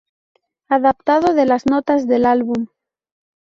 Adaptado de las notas del álbum.